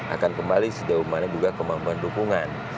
akan kembali sejauh mana juga kemampuan dukungan